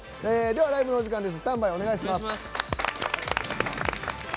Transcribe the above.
ライブのお時間です。